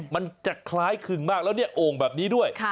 มันจะคล้ายคึงมากแล้วเนี่ยโอ่งแบบนี้ด้วย